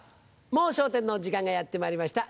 『もう笑点』の時間がやってまいりました。